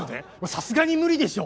さすがに無理でしょ。